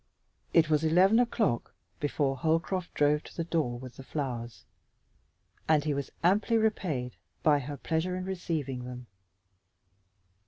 It was eleven o'clock before Holcroft drove to the door with the flowers, and he was amply repaid by her pleasure in receiving them.